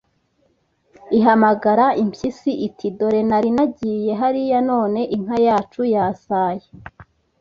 Ihamagara impyisi iti Dore nari naragiye hariya none inka yacu yasaye